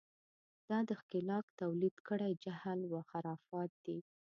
دا د ښکېلاک تولید کړی جهل و خرافات دي.